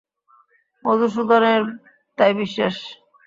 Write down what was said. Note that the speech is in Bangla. মধুসূদনের তাই বিশ্বাস।